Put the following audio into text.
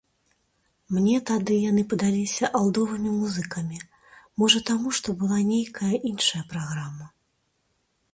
Мне тады яны падаліся алдовымі музыкамі, можа таму, што была нейкая іншая праграма.